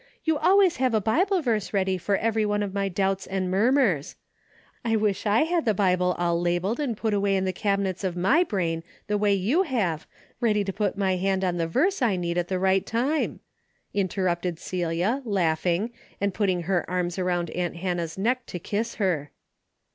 You always have a Bible verse ready for every one of my doubts and murmurs. I wish I had the Bible all labeled and put away in the cabinets of my brain the way you have, ready to pi^t 250 A DAILY BATE.'^ my hand on the verse I need at the right time,'' interrupted Celia, laughing, and putting her arms around aunt Hannah's neck to kiss her.